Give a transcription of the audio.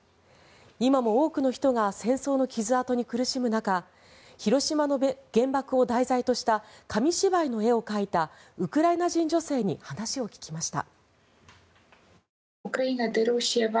今も多くの人が戦争の傷痕に苦しむ中広島の原爆を題材とした紙芝居の絵を描いたウクライナ人女性に話を聞きました。